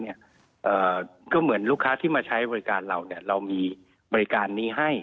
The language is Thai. ก็เหมือนลูกค้าที่มาใช้บริการเราเรามีบริการนี้ให้